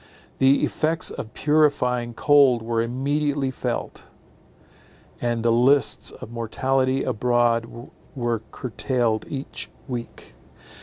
The effects of purifying cold were immediately felt; and the lists of mortality abroad were curtailed each week.